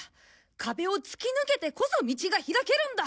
壁を突き抜けてこそ道が開けるんだ！